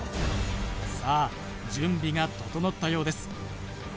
さあ準備が整ったようです